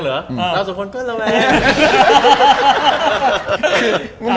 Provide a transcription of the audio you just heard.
เราสักคนก็ระแวง